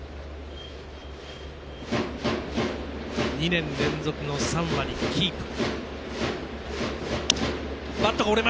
２年連続の３割キープ。